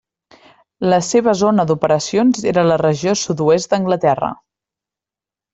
La seva zona d'operacions era la regió sud-oest d'Anglaterra.